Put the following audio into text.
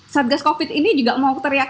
saat gas covid ini juga mau teriak